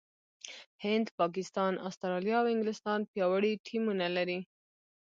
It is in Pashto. هند، پاکستان، استراليا او انګلستان پياوړي ټيمونه لري.